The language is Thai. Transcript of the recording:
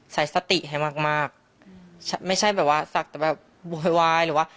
ใส่สติให้มากมากไม่ใช่แบบว่าศักดิ์แต่แบบโวยวายหรือว่า